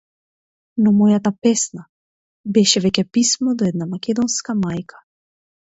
Но мојата песна беше веќе писмо до една македонска мајка.